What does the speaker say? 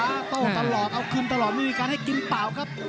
โต้ตลอดเอาคืนตลอดไม่มีการให้กินเปล่าครับ